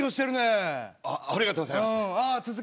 ありがとうございます。